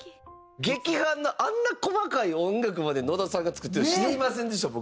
劇伴のあんな細かい音楽まで野田さんが作ってるの知りませんでした僕。